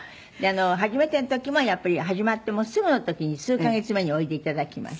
初めての時もやっぱり始まってもうすぐの時に数カ月目においで頂きまして。